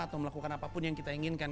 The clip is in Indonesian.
atau melakukan apapun yang kita inginkan